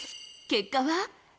結果は。